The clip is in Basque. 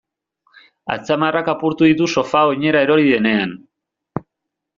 Atzamarrak apurtu ditu sofa oinera erori denean.